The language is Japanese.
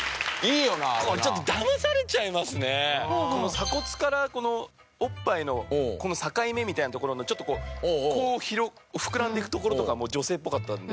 鎖骨からこのおっぱいのこの境目みたいなところのちょっとこう膨らんでいくところとかも女性っぽかったんで。